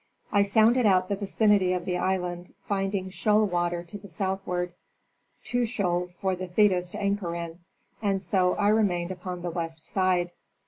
I sounded out the vicinity of the island, finding shoal water to the southward, too shoal for the Thetis to anchor in, and so I remained upon the west side.